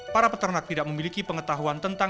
para peternak tidak memiliki pengetahuan tentang